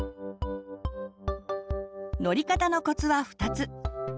乗り方のコツは２つ。